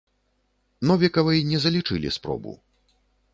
Новікавай не залічылі спробу.